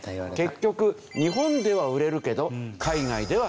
結局日本では売れるけど海外では売れない。